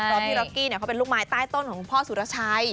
เพราะพี่ร็อกกี้เขาเป็นลูกไม้ใต้ต้นของพ่อสุรชัย